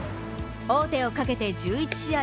王手をかけて１１試合